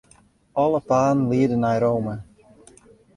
Alle paden liede nei Rome.